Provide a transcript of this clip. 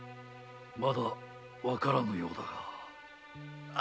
まだわからぬようだが。